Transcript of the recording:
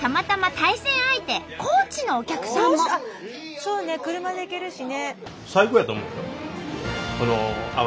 そうね車で行けるしね。